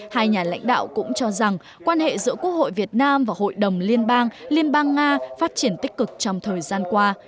hai nhà lãnh đạo cũng cho rằng quan hệ giữa quốc hội việt nam và hội đồng liên bang liên bang nga phát triển tích cực trong thời gian qua